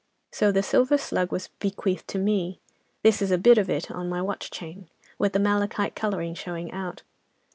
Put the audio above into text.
So the silver 'slug' was bequeathed to me, this is a bit of it on my watch chain, with the malachite colouring showing out.